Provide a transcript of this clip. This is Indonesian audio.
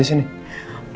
udah siapain pa disini